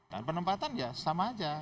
dan penempatan ya sama aja